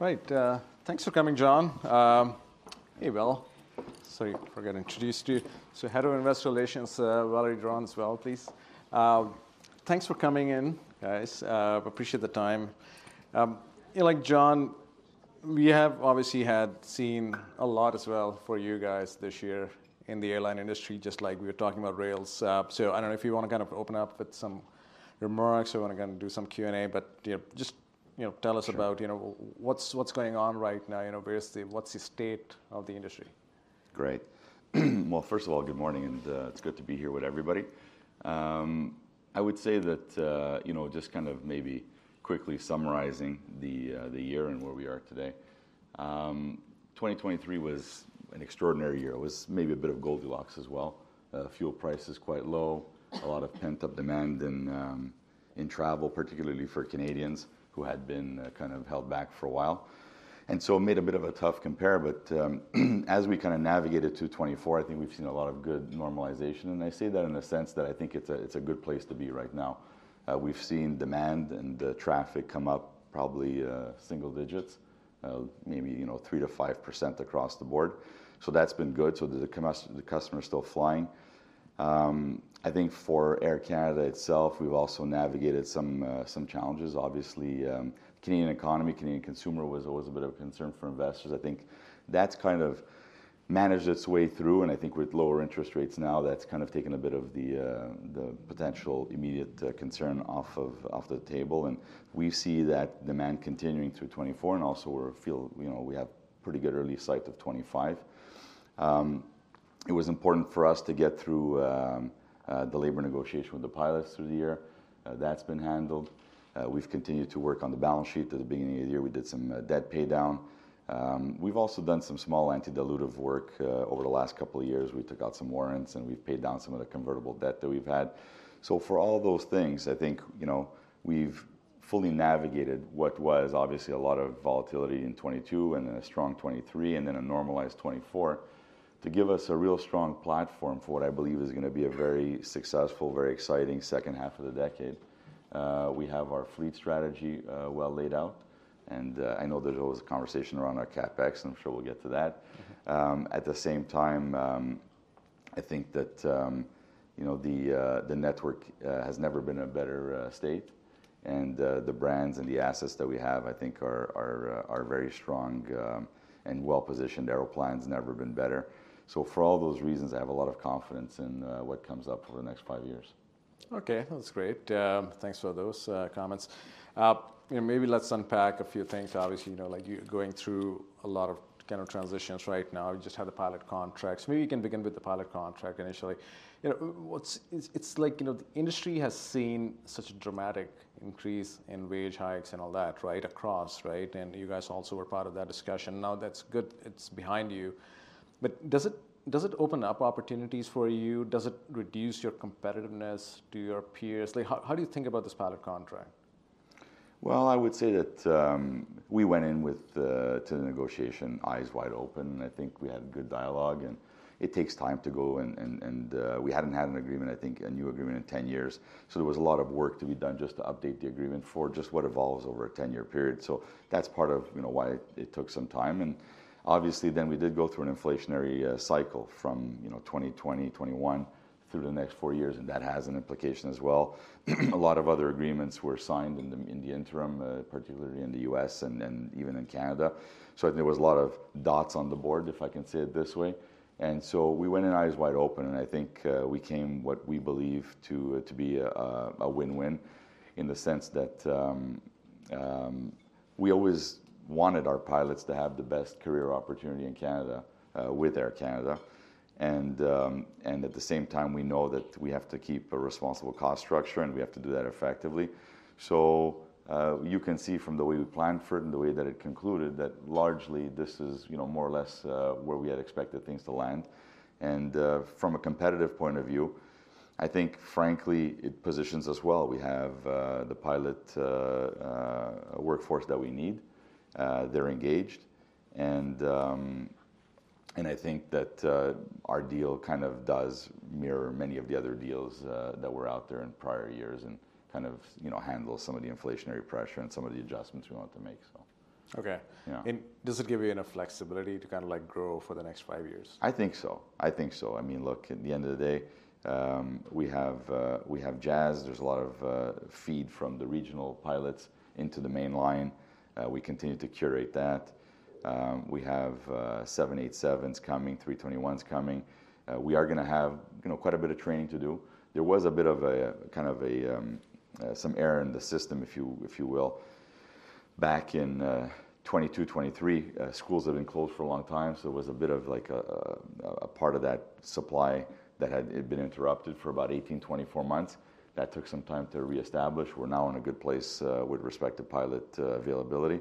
Right. Thanks for coming, John. Hey, Will. Sorry for getting introduced to you. So, Head of Investor Relations, Valerie Durand, as well, please. Thanks for coming in, guys. Appreciate the time. You know, like John, we have obviously had seen a lot as well for you guys this year in the airline industry, just like we were talking about rails, so I don't know if you wanna kind of open up with some remarks or wanna kinda do some Q&A, but, you know, just, you know, tell us about, you know, what's, what's going on right now, you know, where's the, what's the state of the industry? Great. Well, first of all, good morning and it's good to be here with everybody. I would say that, you know, just kind of maybe quickly summarizing the year and where we are today. 2023 was an extraordinary year. It was maybe a bit of Goldilocks as well. Fuel prices quite low, a lot of pent-up demand in travel, particularly for Canadians who had been kind of held back for a while, and so it made a bit of a tough compare, but as we kinda navigated through 2024, I think we've seen a lot of good normalization, and I say that in the sense that I think it's a good place to be right now. We've seen demand and traffic come up probably single digits, maybe, you know, three to five% across the board, so that's been good, so the customer's still flying. I think for Air Canada itself, we've also navigated some challenges. Obviously, Canadian economy, Canadian consumer was always a bit of a concern for investors. I think that's kind of managed its way through. And I think with lower interest rates now, that's kind of taken a bit of the potential immediate concern off of the table. And we see that demand continuing through 2024. And also we feel, you know, we have pretty good early sight of 2025. It was important for us to get through the labor negotiation with the pilots through the year. That's been handled. We've continued to work on the balance sheet at the beginning of the year. We did some debt pay down. We've also done some small anti-dilutive work over the last couple of years. We took out some warrants and we've paid down some of the convertible debt that we've had. So for all those things, I think, you know, we've fully navigated what was obviously a lot of volatility in 2022 and a strong 2023 and then a normalized 2024 to give us a real strong platform for what I believe is gonna be a very successful, very exciting second half of the decade. We have our fleet strategy, well laid out, and I know there's always a conversation around our CapEx. I'm sure we'll get to that. At the same time, I think that, you know, the network has never been in a better state, and the brands and the assets that we have, I think, are very strong, and well-positioned. Aeroplan's never been better. So for all those reasons, I have a lot of confidence in what comes up over the next five years. Okay. That's great. Thanks for those comments. You know, maybe let's unpack a few things. Obviously, you know, like you're going through a lot of kind of transitions right now. You just had the pilot contracts. Maybe you can begin with the pilot contract initially. You know, what's, it's, it's like, you know, the industry has seen such a dramatic increase in wage hikes and all that, right, across, right? And you guys also were part of that discussion. Now that's good. It's behind you. But does it, does it open up opportunities for you? Does it reduce your competitiveness to your peers? Like, how, how do you think about this pilot contract? I would say that we went in with, to the negotiations, eyes wide open. I think we had a good dialogue and it takes time to go and we hadn't had an agreement, I think, a new agreement in 10 years. So there was a lot of work to be done just to update the agreement for just what evolves over a 10-year period. So that's part of, you know, why it took some time. Obviously then we did go through an inflationary cycle from, you know, 2020, 2021 through the next four years. That has an implication as well. A lot of other agreements were signed in the interim, particularly in the U.S. and even in Canada. So I think there was a lot of dots on the board, if I can say it this way. And so we went in eyes wide open and I think we came what we believe to be a win-win in the sense that we always wanted our pilots to have the best career opportunity in Canada with Air Canada. And at the same time we know that we have to keep a responsible cost structure and we have to do that effectively. So you can see from the way we planned for it and the way that it concluded that largely this is you know more or less where we had expected things to land. And from a competitive point of view I think frankly it positions us well. We have the pilot workforce that we need. They're engaged. I think that our deal kind of does mirror many of the other deals that were out there in prior years and kind of, you know, handle some of the inflationary pressure and some of the adjustments we want to make. So. Okay. Yeah. Does it give you enough flexibility to kind of like grow for the next five years? I think so. I think so. I mean, look, at the end of the day, we have, we have Jazz. There's a lot of feed from the regional pilots into the mainline. We continue to curate that. We have seven, eight sevens coming, A321s coming. We are gonna have, you know, quite a bit of training to do. There was a bit of a, kind of a, some error in the system, if you, if you will, back in 2022, 2023. Schools have been closed for a long time. So there was a bit of like a, a, a part of that supply that had been interrupted for about 18-24 months. That took some time to reestablish. We're now in a good place, with respect to pilot availability.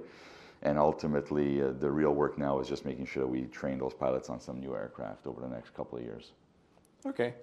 Ultimately, the real work now is just making sure that we train those pilots on some new aircraft over the next couple of years. Okay.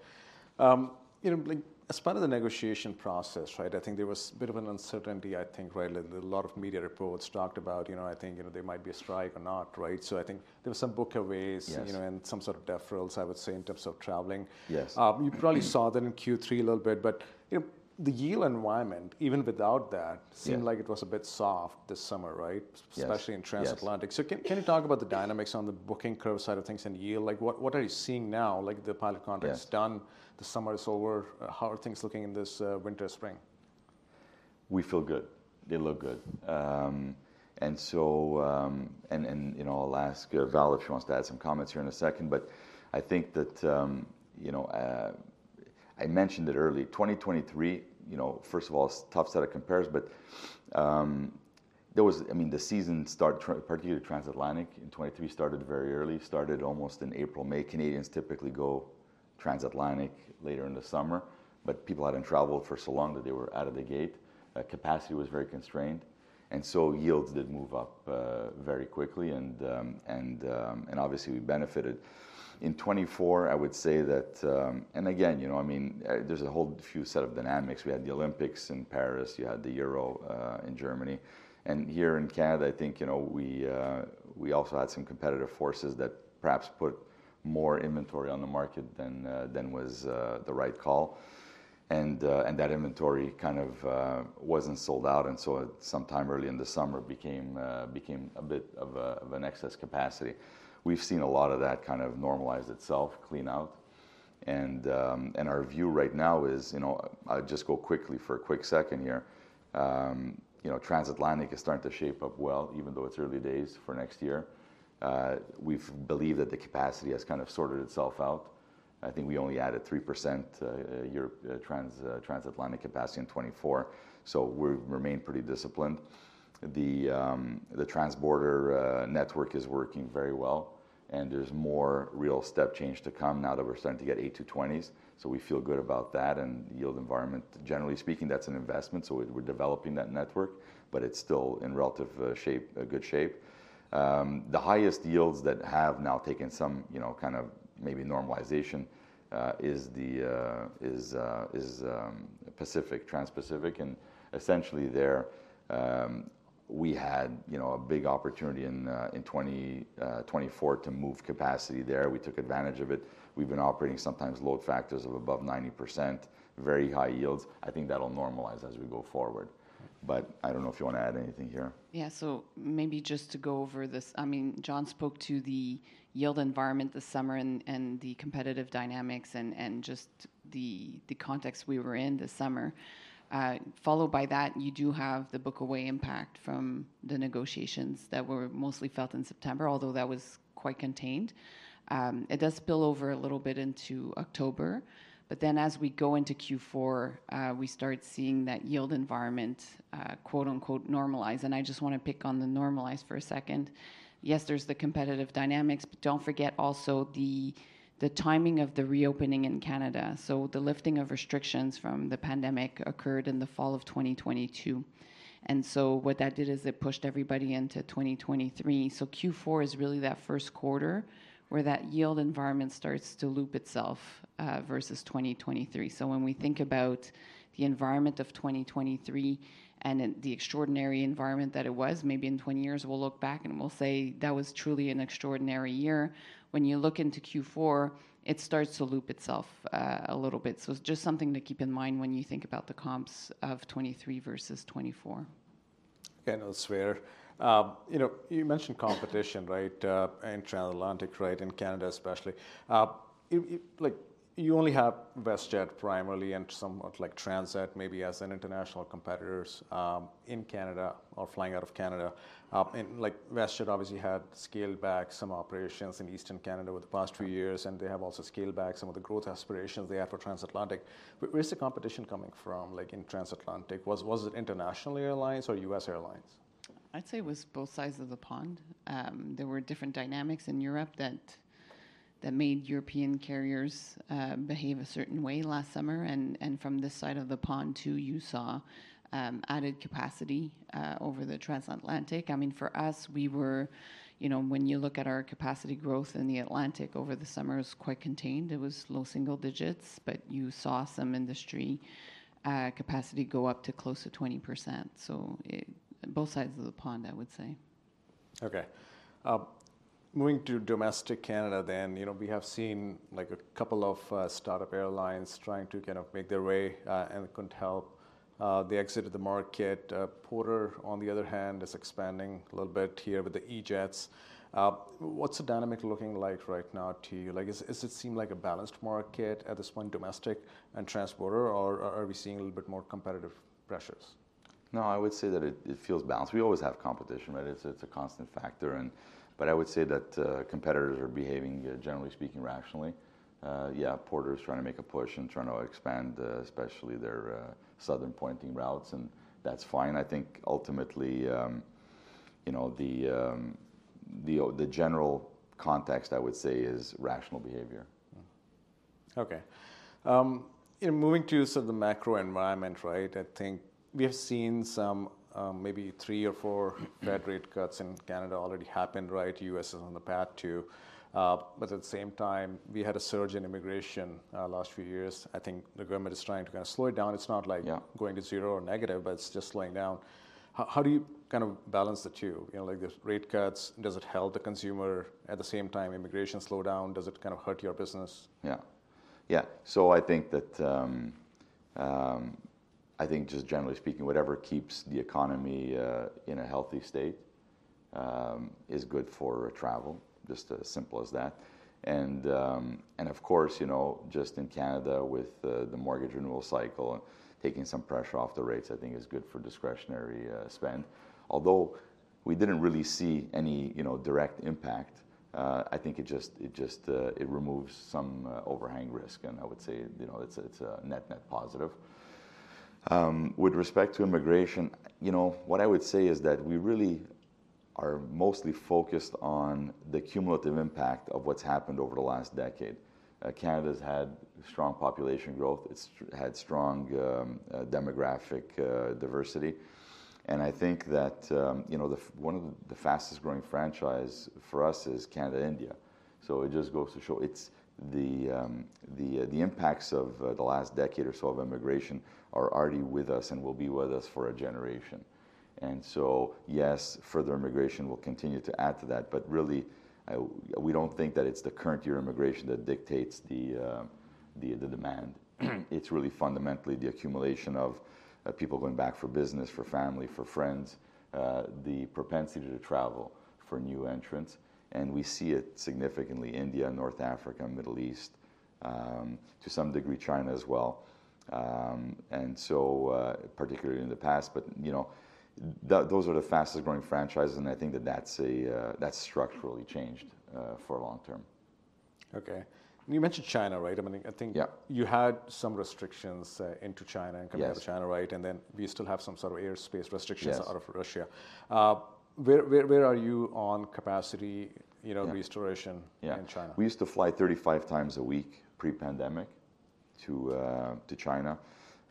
You know, like as part of the negotiation process, right? I think there was a bit of an uncertainty, I think, right? Like a lot of media reports talked about, you know, I think, you know, there might be a strike or not, right? So I think there were some book aways. Yes. You know, and some sort of deferrals, I would say, in terms of traveling. Yes. You probably saw that in Q3 a little bit, but, you know, the yield environment, even without that, seemed like it was a bit soft this summer, right? Yes. Especially in transatlantic. So can you talk about the dynamics on the booking curve side of things and yield? Like what are you seeing now? Like the pilot contract's done, the summer is over. How are things looking in this winter, spring? We feel good. They look good. And so, you know, I'll ask Val if she wants to add some comments here in a second, but I think that, you know, I mentioned it early, 2023, you know, first of all, it's a tough set of comparisons, but there was, I mean, the season started, particularly transatlantic in 2023, started very early, started almost in April, May. Canadians typically go transatlantic later in the summer, but people hadn't traveled for so long that they were out of the gate. Capacity was very constrained. Yields did move up very quickly. Obviously we benefited in 2024. I would say that, and again, you know, I mean, there's a whole few set of dynamics. We had the Olympics in Paris. You had the Euro in Germany. And here in Canada, I think, you know, we also had some competitive forces that perhaps put more inventory on the market than was the right call. And that inventory kind of wasn't sold out. And so at some time early in the summer became a bit of an excess capacity. We've seen a lot of that kind of normalize itself, clean out. And our view right now is, you know, I'll just go quickly for a quick second here. You know, transatlantic is starting to shape up well, even though it's early days for next year. We've believed that the capacity has kind of sorted itself out. I think we only added 3% transatlantic capacity in 2024. So we've remained pretty disciplined. The transborder network is working very well. There's more real step change to come now that we're starting to get A220s. So we feel good about that. The yield environment, generally speaking, that's an investment. So we're developing that network, but it's still in relatively good shape. The highest yields that have now taken some, you know, kind of maybe normalization is the transpacific. Essentially there, we had, you know, a big opportunity in 2020-24 to move capacity there. We took advantage of it. We've been operating sometimes load factors of above 90%, very high yields. I think that'll normalize as we go forward. But I don't know if you wanna add anything here. Yeah. So maybe just to go over this, I mean, John spoke to the yield environment this summer and the competitive dynamics and just the context we were in this summer. Followed by that, you do have the book away impact from the negotiations that were mostly felt in September, although that was quite contained. It does spill over a little bit into October, but then as we go into Q4, we start seeing that yield environment, quote unquote, normalize. I just wanna pick on the normalize for a second. Yes, there's the competitive dynamics, but don't forget also the timing of the reopening in Canada. The lifting of restrictions from the pandemic occurred in the fall of 2022, so what that did is it pushed everybody into 2023. So Q4 is really that first quarter where that yield environment starts to loop itself, versus 2023. So when we think about the environment of 2023 and the extraordinary environment that it was, maybe in 20 years, we'll look back and we'll say that was truly an extraordinary year. When you look into Q4, it starts to loop itself, a little bit. So it's just something to keep in mind when you think about the comps of 2023 versus 2024. Okay. I know it's weird. You know, you mentioned competition, right? In transatlantic, right? In Canada, especially. You, like you only have WestJet primarily and somewhat like Transat maybe as an international competitors, in Canada or flying out of Canada. And like WestJet obviously had scaled back some operations in Eastern Canada over the past few years. And they have also scaled back some of the growth aspirations they had for transatlantic. Where's the competition coming from? Like in transatlantic, was it international airlines or U.S. airlines? I'd say it was both sides of the pond. There were different dynamics in Europe that made European carriers behave a certain way last summer. And from this side of the pond too, you saw added capacity over the transatlantic. I mean, for us, we were, you know, when you look at our capacity growth in the Atlantic over the summer, it was quite contained. It was low single digits, but you saw some industry capacity go up to close to 20%. So it both sides of the pond, I would say. Okay. Moving to domestic Canada then, you know, we have seen like a couple of startup airlines trying to kind of make their way, and couldn't help the exit of the market. Porter, on the other hand, is expanding a little bit here with the E-Jets. What's the dynamic looking like right now to you? Like, is it seem like a balanced market at this point, domestic and trans-border, or are we seeing a little bit more competitive pressures? No, I would say that it feels balanced. We always have competition, right? It's a constant factor. But I would say that competitors are behaving, generally speaking, rationally. Yeah, Porter's trying to make a push and trying to expand, especially their southern pointing routes. And that's fine. I think ultimately, you know, the general context I would say is rational behavior. Okay. You know, moving to sort of the macro environment, right? I think we have seen some, maybe three or four Fed rate cuts in Canada already happened, right? U.S. is on the path too. But at the same time, we had a surge in immigration, last few years. I think the government is trying to kind of slow it down. It's not like. Yeah. Going to zero or negative, but it's just slowing down. How do you kind of balance the two, you know, like the rate cuts? Does it help the consumer at the same time immigration slow down? Does it kind of hurt your business? Yeah. Yeah. So I think that, I think just generally speaking, whatever keeps the economy in a healthy state is good for travel. Just as simple as that. And of course, you know, just in Canada with the mortgage renewal cycle taking some pressure off the rates, I think is good for discretionary spend. Although we didn't really see any, you know, direct impact, I think it just removes some overhang risk. And I would say, you know, it's a net net positive. With respect to immigration, you know, what I would say is that we really are mostly focused on the cumulative impact of what's happened over the last decade. Canada's had strong population growth. It's had strong demographic diversity. And I think that, you know, the one of the fastest growing franchise for us is Canada-India. So it just goes to show it's the impacts of the last decade or so of immigration are already with us and will be with us for a generation. And so yes, further immigration will continue to add to that. But really, we don't think that it's the current year immigration that dictates the demand. It's really fundamentally the accumulation of people going back for business, for family, for friends, the propensity to travel for new entrants. And we see it significantly in India, North Africa, Middle East, to some degree China as well. And so, particularly in the past, but you know, those are the fastest growing franchises. And I think that that's structurally changed for long term. Okay. And you mentioned China, right? I mean, I think. Yeah. You had some restrictions, into China and compared to China, right? And then we still have some sort of airspace restrictions out of Russia. Yes. Where are you on capacity, you know, restoration in China? Yeah. We used to fly 35 times a week pre-pandemic to China.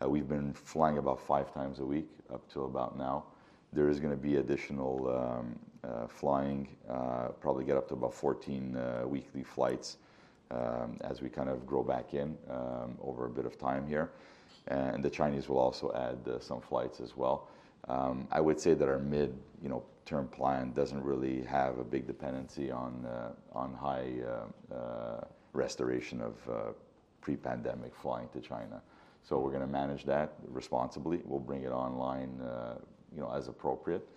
We've been flying about five times a week up to about now. There is gonna be additional flying, probably get up to about 14 weekly flights, as we kind of grow back in, over a bit of time here. And the Chinese will also add some flights as well. I would say that our mid, you know, term plan doesn't really have a big dependency on high restoration of pre-pandemic flying to China. So we're gonna manage that responsibly. We'll bring it online, you know, as appropriate.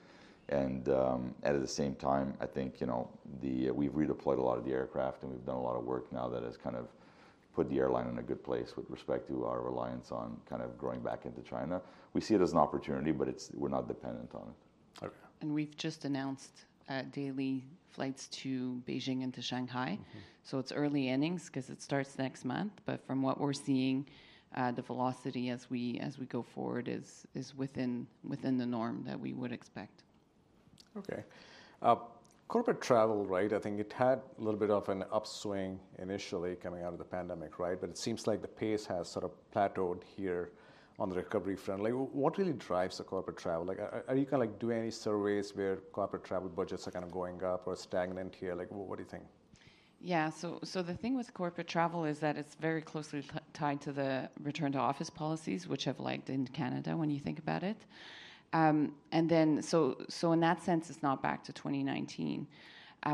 And, at the same time, I think, you know, we've redeployed a lot of the aircraft and we've done a lot of work now that has kind of put the airline in a good place with respect to our reliance on kind of growing back into China. We see it as an opportunity, but it's. We're not dependent on it. Okay. And we've just announced daily flights to Beijing and to Shanghai. So it's early innings 'cause it starts next month. But from what we're seeing, the velocity as we go forward is within the norm that we would expect. Okay. Corporate travel, right? I think it had a little bit of an upswing initially coming out of the pandemic, right? But it seems like the pace has sort of plateaued here on the recovery front. Like what really drives the corporate travel? Like are you kinda like doing any surveys where corporate travel budgets are kind of going up or stagnant here? Like what do you think? Yeah. So the thing with corporate travel is that it's very closely tied to the return to office policies, which have lagged in Canada when you think about it, and then in that sense, it's not back to 2019,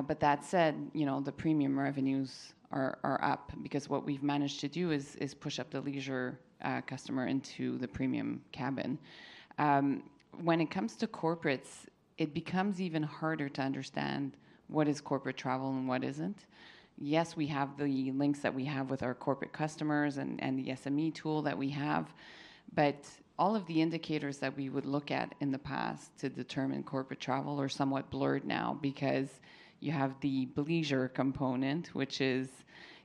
but that said, you know, the premium revenues are up because what we've managed to do is push up the leisure customer into the premium cabin. When it comes to corporates, it becomes even harder to understand what is corporate travel and what isn't. Yes, we have the links that we have with our corporate customers and the SME tool that we have, but all of the indicators that we would look at in the past to determine corporate travel are somewhat blurred now because you have the leisure component, which is,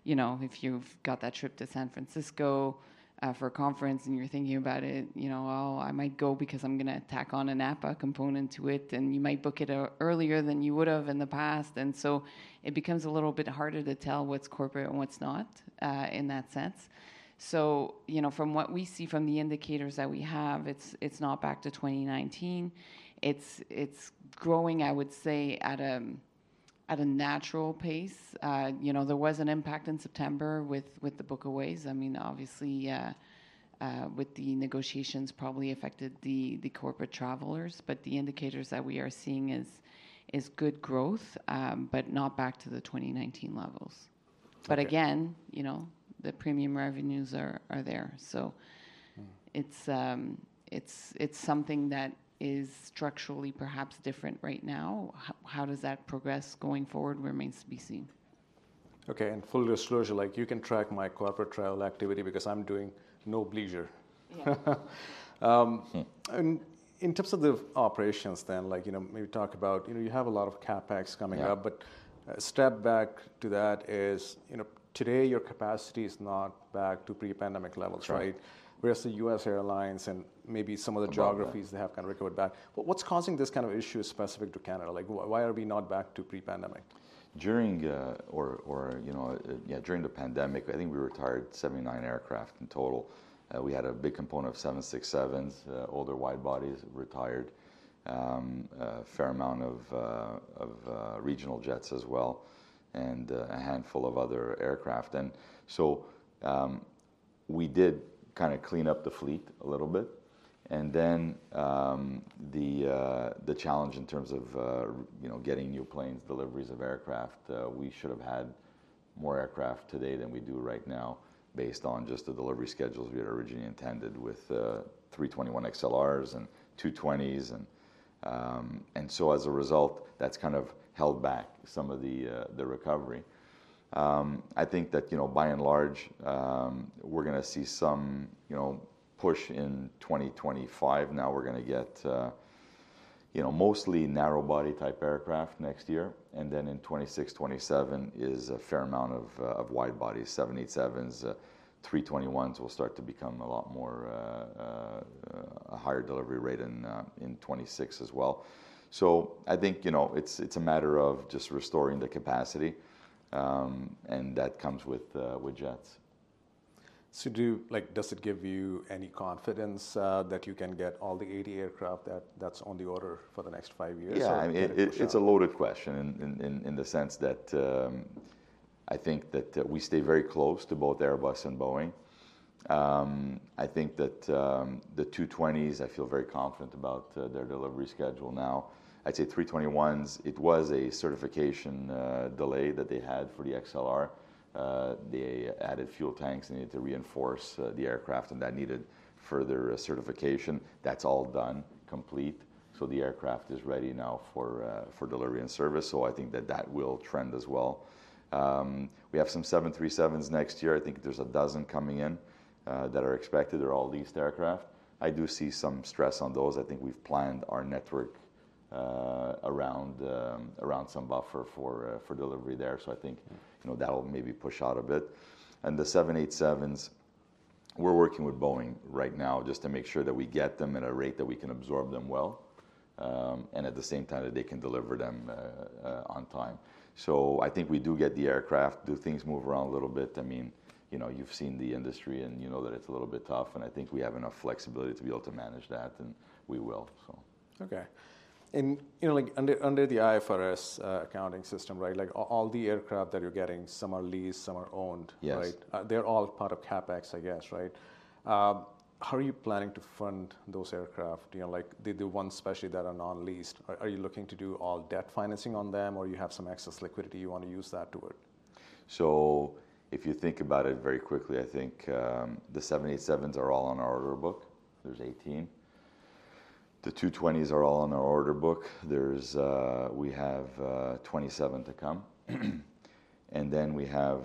you know, if you've got that trip to San Francisco, for a conference and you're thinking about it, you know, oh, I might go because I'm gonna tack on an Aeroplan component to it and you might book it earlier than you would've in the past. And so it becomes a little bit harder to tell what's corporate and what's not, in that sense. So, you know, from what we see from the indicators that we have, it's not back to 2019. It's growing, I would say, at a natural pace. You know, there was an impact in September with the book aways. I mean, obviously, with the negotiations probably affected the corporate travelers, but the indicators that we are seeing is good growth, but not back to the 2019 levels. But again, you know, the premium revenues are there. So it's something that is structurally perhaps different right now. How does that progress going forward remains to be seen. Okay, and full disclosure, like you can track my corporate travel activity because I'm doing no bleisure. Yeah. And in terms of the operations then, like, you know, maybe talk about, you know, you have a lot of CapEx coming up, but step back to that is, you know, today your capacity is not back to pre-pandemic levels, right? Whereas the U.S. airlines and maybe some of the geographies they have kind of recovered back. What's causing this kind of issue specific to Canada? Like why are we not back to pre-pandemic? During the pandemic, I think we retired 79 aircraft in total. We had a big component of 767s, older wide bodies retired, fair amount of regional jets as well, and a handful of other aircraft. So we did kind of clean up the fleet a little bit. Then the challenge in terms of you know, getting new planes, deliveries of aircraft, we should have had more aircraft today than we do right now based on just the delivery schedules we had originally intended with 321 XLRs and 220s. So as a result, that's kind of held back some of the recovery. I think that you know, by and large, we're gonna see some you know, push in 2025. Now we're gonna get you know, mostly narrow body type aircraft next year. Then in 2026, 2027 is a fair amount of wide bodies, 787s, 321s will start to become a lot more, a higher delivery rate in 2026 as well. So I think, you know, it's a matter of just restoring the capacity, and that comes with jets. So, like, does it give you any confidence that you can get all the 80 aircraft that's on the order for the next five years? Yeah. I mean, it's a loaded question in the sense that I think that we stay very close to both Airbus and Boeing. I think that the 220s, I feel very confident about their delivery schedule now. I'd say 321s. It was a certification delay that they had for the XLR. They added fuel tanks and needed to reinforce the aircraft, and that needed further certification. That's all done, complete. So the aircraft is ready now for delivery and service. So I think that that will trend as well. We have some 737s next year. I think there's a dozen coming in that are expected, all leased aircraft. I do see some stress on those. I think we've planned our network around some buffer for delivery there. So I think, you know, that'll maybe push out a bit. And the seven, eight, sevens, we're working with Boeing right now just to make sure that we get them at a rate that we can absorb them well, and at the same time that they can deliver them on time. So I think we do get the aircraft, do things move around a little bit. I mean, you know, you've seen the industry and you know that it's a little bit tough. And I think we have enough flexibility to be able to manage that and we will. So. Okay. And you know, like under the IFRS accounting system, right? Like all the aircraft that you're getting, some are leased, some are owned, right? Yes. They're all part of CapEx, I guess, right? How are you planning to fund those aircraft? You know, like the ones especially that are non-leased, are you looking to do all debt financing on them or you have some excess liquidity you wanna use that toward? If you think about it very quickly, I think the seven, eight, sevens are all on our order book. There's 18. The 220s are all on our order book. We have 27 to come. And then we have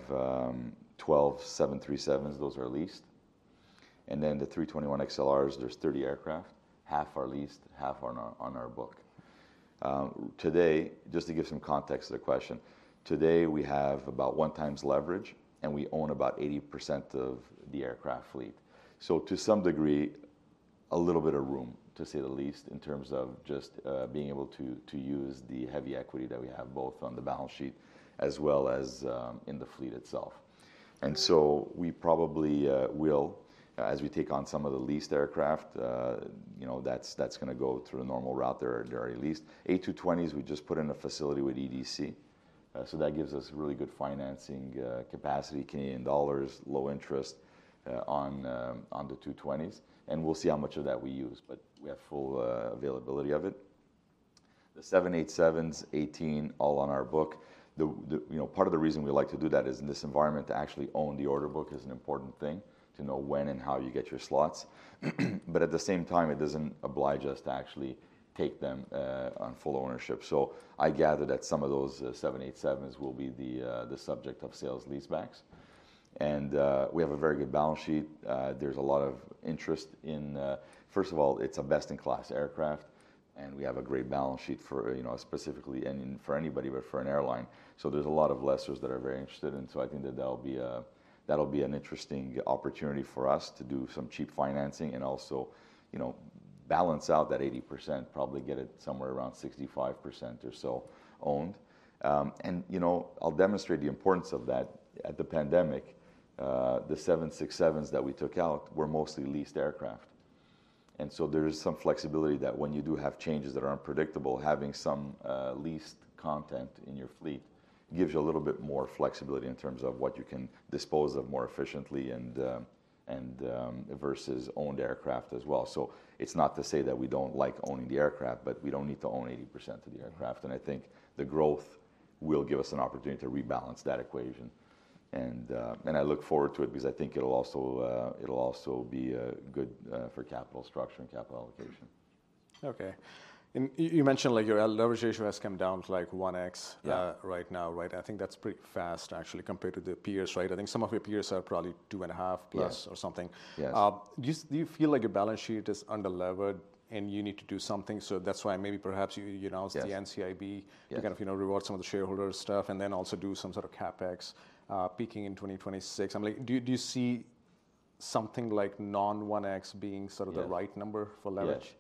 12 seven, three, sevens. Those are leased. And then the 321 XLRs, there's 30 aircraft, half are leased, half are on our book. Today, just to give some context to the question, today we have about one times leverage and we own about 80% of the aircraft fleet. So to some degree, a little bit of room to say the least in terms of just being able to use the heavy equity that we have both on the balance sheet as well as in the fleet itself. And so we probably will, as we take on some of the leased aircraft, you know, that's gonna go through a normal route there. There are at least eight two twenties. We just put in a facility with EDC. So that gives us really good financing capacity, Canadian dollars, low interest, on the two twenties. And we'll see how much of that we use, but we have full availability of it. The seven eight sevens, 18, all on our book. The, you know, part of the reason we like to do that is in this environment to actually own the order book is an important thing to know when and how you get your slots. But at the same time, it doesn't oblige us to actually take them on full ownership. So I gather that some of those seven, eight, sevens will be the subject of sale-leasebacks. And we have a very good balance sheet. There's a lot of interest in. First of all, it's a best-in-class aircraft and we have a great balance sheet for, you know, specifically and for anybody, but for an airline. So there's a lot of lessors that are very interested in. So I think that'll be an interesting opportunity for us to do some cheap financing and also, you know, balance out that 80%, probably get it somewhere around 65% or so owned. And you know, I'll demonstrate the importance of that during the pandemic. The seven, six, sevens that we took out were mostly leased aircraft. And so there is some flexibility that when you do have changes that are unpredictable, having some leased component in your fleet gives you a little bit more flexibility in terms of what you can dispose of more efficiently and versus owned aircraft as well. So it's not to say that we don't like owning the aircraft, but we don't need to own 80% of the aircraft. And I think the growth will give us an opportunity to rebalance that equation. And I look forward to it because I think it'll also be good for capital structure and capital allocation. Okay. And you mentioned like your leverage ratio has come down to like 1x right now, right? I think that's pretty fast actually compared to the peers, right? I think some of your peers are probably two and a half plus or something. Yes. Do you, do you feel like your balance sheet is underlevered and you need to do something? So that's why maybe perhaps you, you announced the NCIB to kind of, you know, reward some of the shareholder stuff and then also do some sort of CapEx, peaking in 2026. I'm like, do you, do you see something like net one X being sort of the right number for leverage?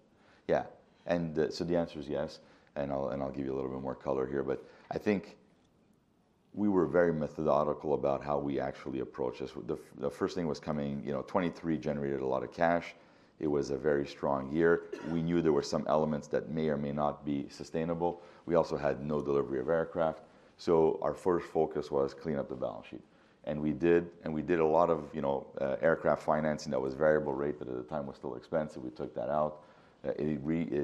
Yeah. Yeah. And the, so the answer is yes. And I'll, and I'll give you a little bit more color here, but I think we were very methodical about how we actually approached this. The first thing was coming, you know, 2023 generated a lot of cash. It was a very strong year. We knew there were some elements that may or may not be sustainable. We also had no delivery of aircraft. So our first focus was clean up the balance sheet. And we did, and we did a lot of, you know, aircraft financing that was variable rate, but at the time was still expensive. We took that out. It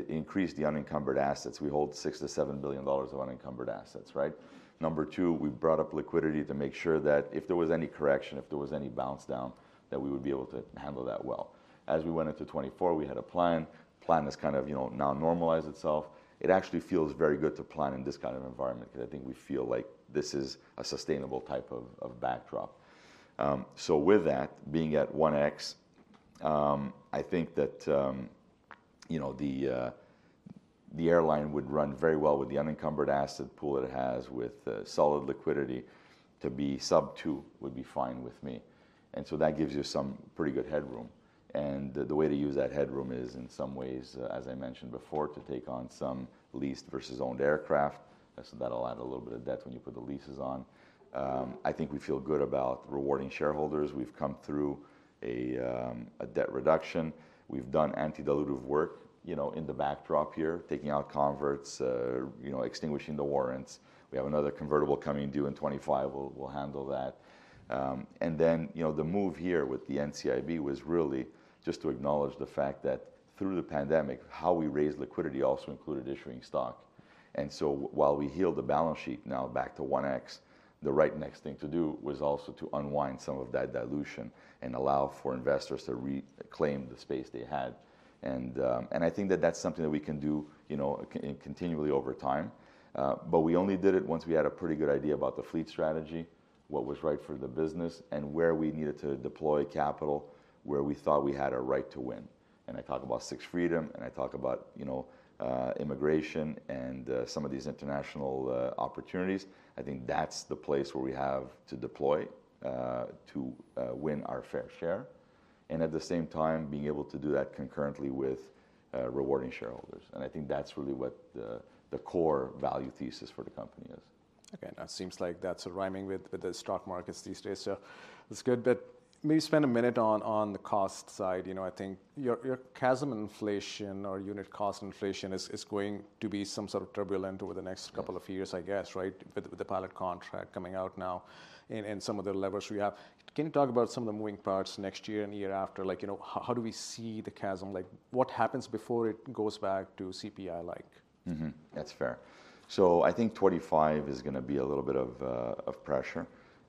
increased the unencumbered assets. We hold 6 billion-7 billion dollars of unencumbered assets, right? Number two, we brought up liquidity to make sure that if there was any correction, if there was any bounce down, that we would be able to handle that well. As we went into 2024, we had a plan. Plan has kind of, you know, now normalized itself. It actually feels very good to plan in this kind of environment 'cause I think we feel like this is a sustainable type of, of backdrop. So with that being at 1x, I think that, you know, the, the airline would run very well with the unencumbered asset pool it has with, solid liquidity to be sub-2 would be fine with me. And so that gives you some pretty good headroom. And the way to use that headroom is in some ways, as I mentioned before, to take on some leased versus owned aircraft. That'll add a little bit of debt when you put the leases on. I think we feel good about rewarding shareholders. We've come through a debt reduction. We've done anti-dilutive work, you know, in the backdrop here, taking out converts, you know, extinguishing the warrants. We have another convertible coming due in 2025. We'll handle that. Then, you know, the move here with the NCIB was really just to acknowledge the fact that through the pandemic, how we raised liquidity also included issuing stock. So while we healed the balance sheet now back to 1x, the right next thing to do was also to unwind some of that dilution and allow for investors to reclaim the space they had. I think that that's something that we can do, you know, continually over time. But we only did it once we had a pretty good idea about the fleet strategy, what was right for the business, and where we needed to deploy capital where we thought we had a right to win. And I talk about Sixth Freedom and I talk about, you know, immigration and some of these international opportunities. I think that's the place where we have to deploy to win our fair share. And at the same time, being able to do that concurrently with rewarding shareholders. And I think that's really what the core value thesis for the company is. Okay. That seems like that's a rhyming with, with the stock markets these days. So it's good, but maybe spend a minute on, on the cost side. You know, I think your, your CASM inflation or unit cost inflation is, is going to be some sort of turbulent over the next couple of years, I guess, right? With, with the pilot contract coming out now and, and some of the levers we have. Can you talk about some of the moving parts next year and year after? Like, you know, how, how do we see the CASM? Like what happens before it goes back to CPI? Like. Mm-hmm. That's fair. So I think 25 is gonna be a little bit of pressure,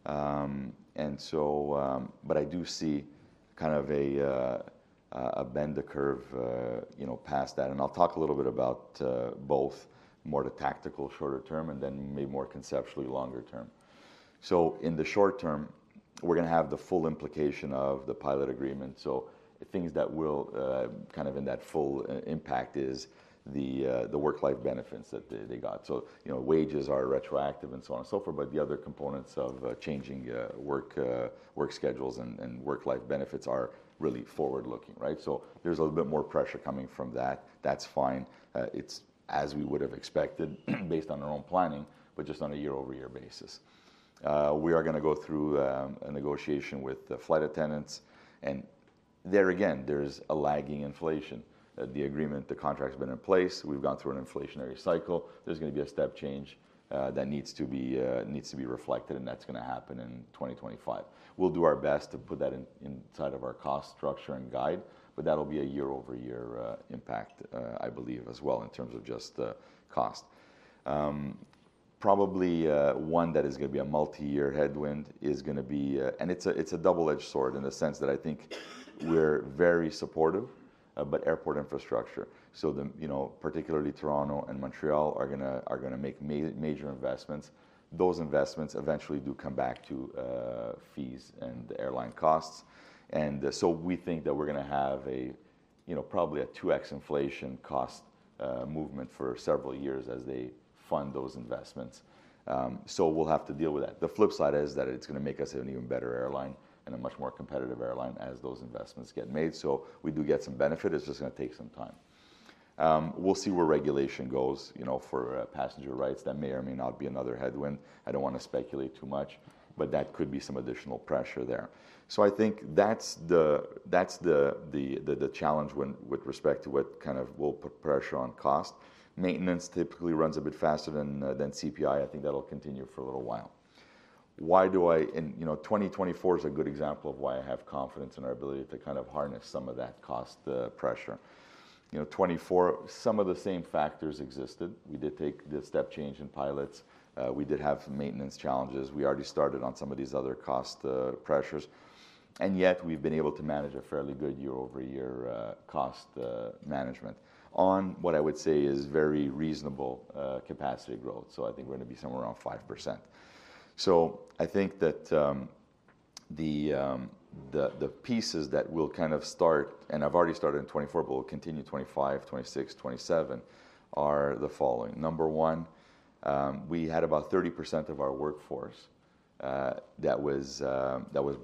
and so but I do see kind of a bend the curve, you know, past that and I'll talk a little bit about both more the tactical shorter term and then maybe more conceptually longer term. So in the short term, we're gonna have the full implication of the pilot agreement. So things that will kind of in that full impact is the work-life benefits that they got. So, you know, wages are retroactive and so on and so forth. But the other components of changing work schedules and work-life benefits are really forward looking, right? So there's a little bit more pressure coming from that. That's fine. It's as we would've expected based on our own planning, but just on a year over year basis. We are gonna go through a negotiation with the flight attendants. And there again, there's a lagging inflation. The agreement, the contract's been in place. We've gone through an inflationary cycle. There's gonna be a step change that needs to be reflected. And that's gonna happen in 2025. We'll do our best to put that in inside of our cost structure and guide, but that'll be a year over year impact, I believe as well in terms of just the cost. Probably, one that is gonna be a multi-year headwind is gonna be, and it's a double-edged sword in the sense that I think we're very supportive, but airport infrastructure. So the, you know, particularly Toronto and Montreal are gonna make major investments. Those investments eventually do come back to fees and airline costs. And so we think that we're gonna have a, you know, probably a 2X inflation cost movement for several years as they fund those investments. So we'll have to deal with that. The flip side is that it's gonna make us an even better airline and a much more competitive airline as those investments get made. So we do get some benefit. It's just gonna take some time. We'll see where regulation goes, you know, for passenger rights. That may or may not be another headwind. I don't wanna speculate too much, but that could be some additional pressure there. So I think that's the challenge when with respect to what kind of will put pressure on cost. Maintenance typically runs a bit faster than CPI. I think that'll continue for a little while. Why do I, and you know, 2024 is a good example of why I have confidence in our ability to kind of harness some of that cost pressure. You know, 24, some of the same factors existed. We did take the step change in pilots. We did have maintenance challenges. We already started on some of these other cost pressures. And yet we've been able to manage a fairly good year-over-year cost management on what I would say is very reasonable capacity growth. So I think we're gonna be somewhere around 5%. So I think that the pieces that will kind of start, and I've already started in 24, but we'll continue 25, 26, 27, are the following. Number one, we had about 30% of our workforce that was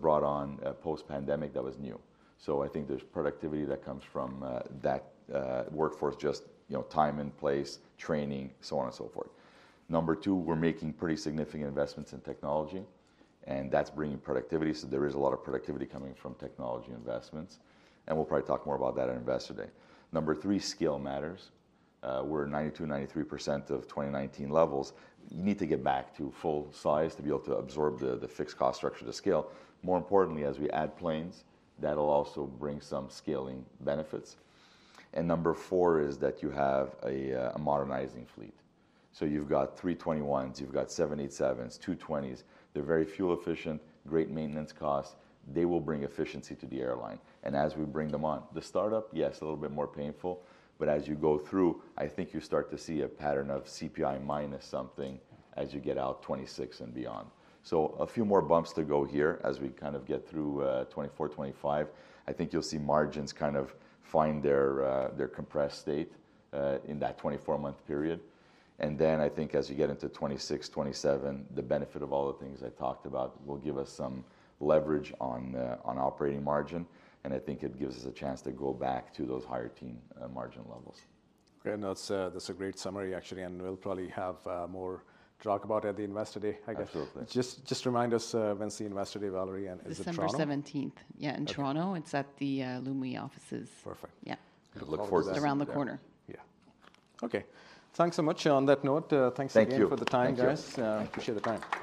brought on post-pandemic that was new. So I think there's productivity that comes from workforce, just, you know, time and place, training, so on and so forth. Number two, we're making pretty significant investments in technology and that's bringing productivity. So there is a lot of productivity coming from technology investments. And we'll probably talk more about that at Investor Day. Number three, scale matters. We're 92%-93% of 2019 levels. You need to get back to full size to be able to absorb the fixed cost structure to scale. More importantly, as we add planes, that'll also bring some scaling benefits. And number four is that you have a modernizing fleet. So you've got three twenty ones, you've got seven, eight, sevens, two twenties. They're very fuel efficient, great maintenance costs. They will bring efficiency to the airline. As we bring them on, the startup, yes, a little bit more painful, but as you go through, I think you start to see a pattern of CPI minus something as you get out 2026 and beyond. A few more bumps to go here as we kind of get through, 2024, 2025. I think you'll see margins kind of find their, their compressed state, in that 2024 month period. Then I think as you get into 2026, 2027, the benefit of all the things I talked about will give us some leverage on, on operating margin. I think it gives us a chance to go back to those higher teen, margin levels. Okay. And that's, that's a great summary actually. And we'll probably have more to talk about at the investor day, I guess. Absolutely. Just remind us, when's investor day, Valerie, and is it? It's on the 17th. Yeah. In Toronto. It's at the Lumi offices. Perfect. Yeah. Good. Look forward to seeing it. Around the corner. Yeah. Okay. Thanks so much. On that note, thanks again for the time, guys. Thank you. Appreciate the time.